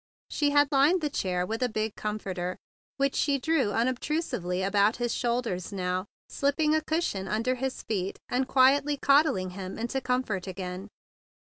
She had lined the chair THE BIG BLUE SOLDIER 97 with a big comfortable, which she drew unobtrusively about his shoulders now, slipping a cushion under his feet, and quietly coddling him into comfort again.